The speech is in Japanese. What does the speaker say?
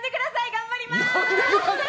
頑張ります！